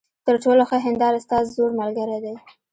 تر ټولو ښه هینداره ستا زوړ ملګری دی.